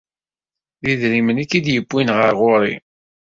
D idrimen i k-id-yewwin ar ɣur-i.